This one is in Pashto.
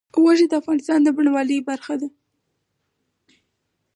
غوښې د افغانستان د بڼوالۍ برخه ده.